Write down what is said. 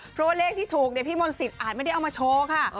เพราะว่าเลขที่ถูกพี่มนต์สิทธิอาจไม่ได้เอามาโชว์ค่ะ